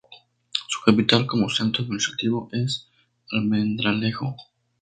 Su capital, como centro administrativo, es Almendralejo.